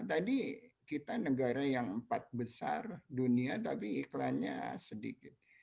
tadi kita negara yang empat besar dunia tapi iklannya sedikit